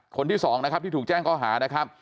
คนที่๒ที่ถูกแจ้งข้อหานะครับ